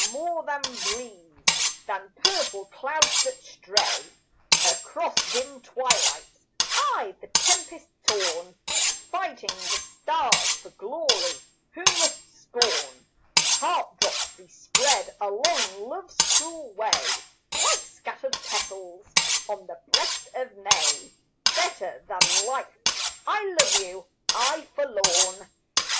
more than breeze, than purple clouds that stray Across dim twilights I, the tempest torn, Fighting the stars for glory, who must scorn Heart drops bespread along love's cruel way Like scattered petals on the breast of May Better than life I love you, I forlorn.